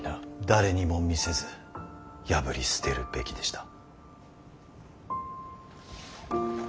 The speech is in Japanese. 誰にも見せず破り捨てるべきでした。